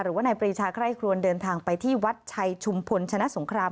หรือว่านายปรีชาไคร่ครวนเดินทางไปที่วัดชัยชุมพลชนะสงคราม